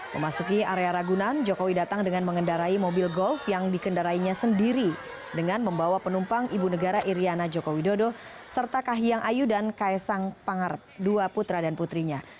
memasuki area ragunan jokowi datang dengan mengendarai mobil golf yang dikendarainya sendiri dengan membawa penumpang ibu negara iryana joko widodo serta kahiyang ayu dan kaisang pangarap dua putra dan putrinya